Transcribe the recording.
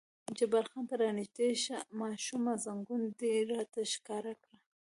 جبار خان: ته را نږدې شه ماشومه، زنګون دې راته ښکاره کړه.